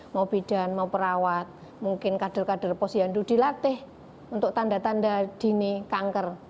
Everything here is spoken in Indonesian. mau bidan mau perawat mungkin kader kader posyandu dilatih untuk tanda tanda dini kanker